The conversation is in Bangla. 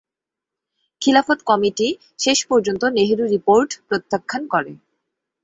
খিলাফত কমিটি শেষ পর্যন্ত নেহেরু রিপোর্ট প্রত্যাখ্যান করে।